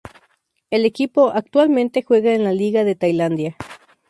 El equipo actualmente juega en la Liga de Tailandia.